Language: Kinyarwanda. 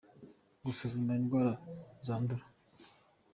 gusuzuma indwara zandura.